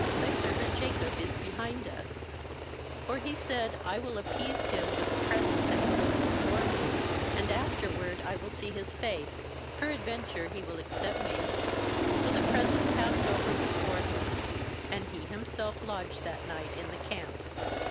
thy servant Jacob is behind us/ For he said: ' I will appease him with the present that goeth before me, and afterward I will see his face; perad venture he will accept me/ ^So the present passed over before him; and he himself lodged that night in the camp.